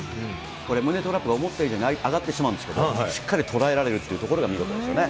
これ、胸トラップが思った以上に上がってしまうんですけれども、しっかり捉えられるっていうところが見事ですよね。